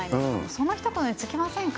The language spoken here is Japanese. そのひと言に尽きませんか？